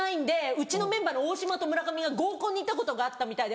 うちのメンバーの大島と村上が合コンに行ったことがあったみたいで。